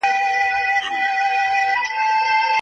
په لوحو کې نه وي، په رسمي فضا کې غلې شي،